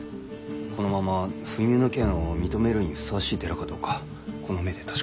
このまま不入の権を認めるにふさわしい寺かどうかこの目で確かめる。